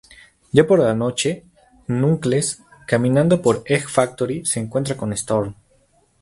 Ya por la noche Knuckles caminando por "Egg Factory" Se encuentra con Storm.